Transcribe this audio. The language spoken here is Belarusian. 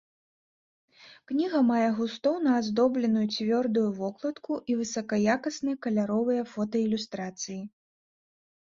Кніга мае густоўна аздобленую цвёрдую вокладку і высакаякасныя каляровыя фотаілюстрацыі.